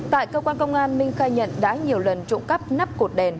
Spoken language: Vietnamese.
tại cơ quan công an minh khai nhận đã nhiều lần trộm cắp nắp cột đèn